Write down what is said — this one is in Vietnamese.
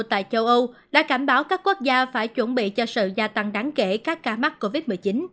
tại châu âu đã cảnh báo các quốc gia phải chuẩn bị cho sự gia tăng đáng kể các ca mắc covid một mươi chín